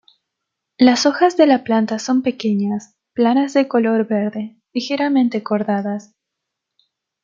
Las hojas de la planta son pequeñas, planas de color verde, ligeramente cordadas.